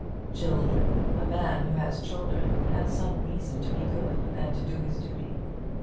Children! A man who has children has some reason to be good, and to do his duty.